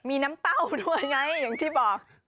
มีน้ำเต้าด้วยไงอย่างที่บอก